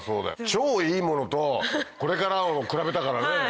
超いいものとこれからのもの比べたからね。